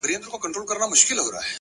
حکمت د اورېدو هنر هم دی